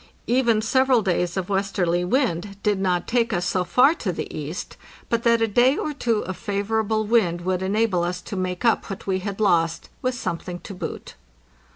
Even several days of westerly wind did not take us so AUGUST 15 TO JANUARY 1, 1896 663 far to the east but that a day or two of favorable wind would enable us to make up what we had lost, with something to boot.